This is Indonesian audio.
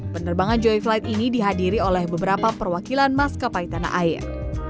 penerbangan joy flight ini dihadiri oleh beberapa perwakilan maskapai tanah air